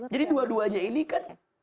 jadi dua duanya ini kan